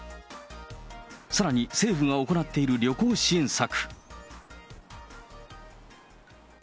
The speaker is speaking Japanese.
さらに政府が行っている旅行支援策。